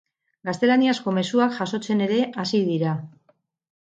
Gaztelaniazko mezuak jasotzen ere hasi dira.